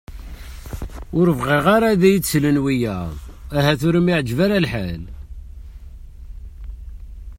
Ue bɣiɣ ara ad iyi-d-slen wiyaḍ ahat ur am-iɛeǧǧeb ara lḥal.